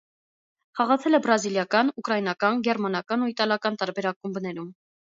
Խաղացել է բրազիլական, ուկրաինական, գերմանական ու իտալական տարբեր ակումբներում։